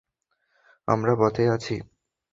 আমরা পথেই আছি।